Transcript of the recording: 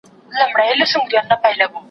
زه هره ورځ د سبا لپاره د يادښتونه بشپړوم!.